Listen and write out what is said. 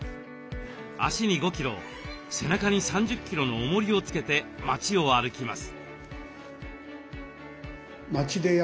足に５キロ背中に３０キロのおもりをつけて町を歩きます。